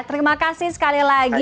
terima kasih sekali lagi